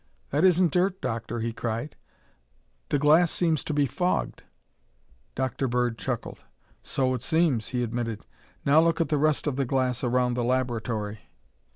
"That isn't dirt, Doctor," he cried. "The glass seems to be fogged." Dr. Bird chuckled. "So it seems," he admitted. "Now look at the rest of the glass around the laboratory."